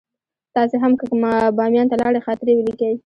تاسې هم که بامیان ته لاړئ خاطرې ولیکئ.